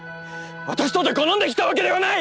私とて好んで来たわけではない！